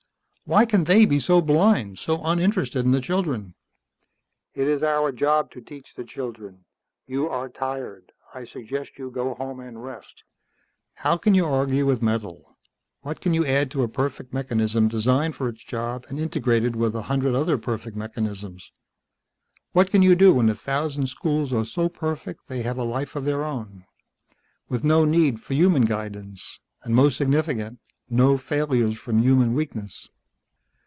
Why can they be so blind, so uninterested in the children?" "It is our job to teach the children. You are tired. I suggest you go home and rest." How can you argue with metal? What can you add to a perfect mechanism, designed for its job, and integrated with a hundred other perfect mechanisms? What can you do when a thousand schools are so perfect they have a life of their own, with no need for human guidance, and, most significant, no failures from human weakness?